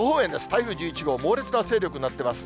台風１１号、猛烈な勢力になってます。